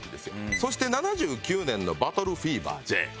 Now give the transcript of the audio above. そして７９年の『バトルフィーバーＪ』。